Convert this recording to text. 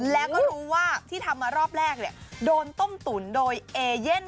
แล้วก็รู้ว่าที่ทำมารอบแรกโดนต้มตุ๋นโดยเอเย่น